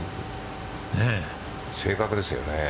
正確ですよね。